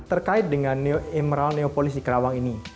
terkait dengan emerald neopolis di kerawang ini